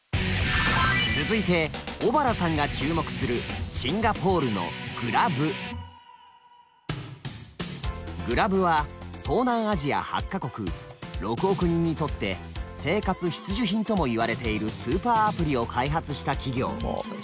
続いて尾原さんが注目するグラブは東南アジア８か国６億人にとって生活必需品ともいわれているスーパーアプリを開発した企業。